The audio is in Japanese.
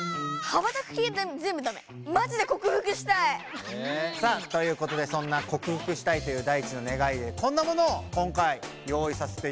マジでさあということでそんなこく服したいというダイチのねがいでこんなものを今回用いさせていただきました。